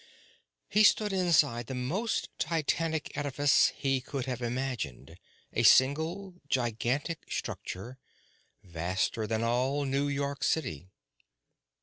He stood inside the most titanic edifice he could have imagined, a single gigantic structure vaster than all New York City.